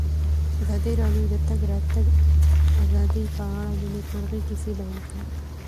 ازادي راډیو د د تګ راتګ ازادي په اړه د نېکمرغۍ کیسې بیان کړې.